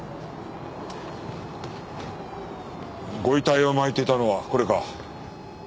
ご遺体を巻いていたのはこれか。